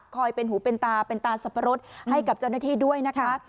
เป็นหูเป็นตาเป็นตาสับปะรดให้กับเจ้าหน้าที่ด้วยนะคะ